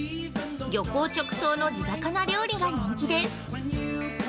漁港直送の地魚料理が人気です。